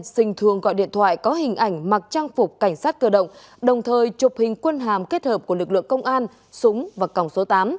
sinh đã trang phục cảnh sát cơ động đồng thời chụp hình quân hàm kết hợp của lực lượng công an súng và còng số tám